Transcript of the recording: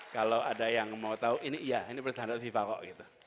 kalau ada yang mau tahu ini iya ini persyarat fifa kok